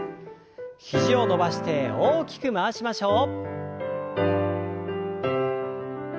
肘を伸ばして大きく回しましょう。